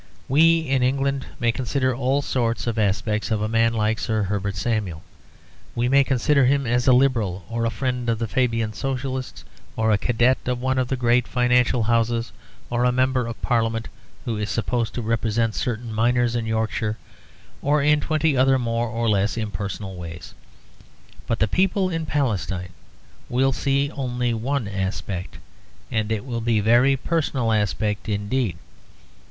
We in England may consider all sorts of aspects of a man like Sir Herbert Samuel; we may consider him as a Liberal, or a friend of the Fabian Socialists, or a cadet of one of the great financial houses, or a Member of Parliament who is supposed to represent certain miners in Yorkshire, or in twenty other more or less impersonal ways. But the people in Palestine will see only one aspect, and it will be a very personal aspect indeed.